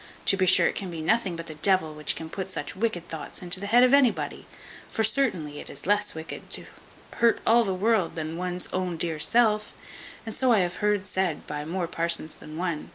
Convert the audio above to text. To be sure it can be nothing but the devil which can put such wicked thoughts into the head of anybody; for certainly it is less wicked to hurt all the world than one's own dear self; and so I have heard said by more parsons than one.